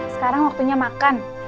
sekarang waktunya makan